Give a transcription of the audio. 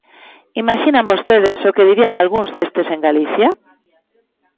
¿Imaxinan vostedes o que dirían algúns destes en Galicia?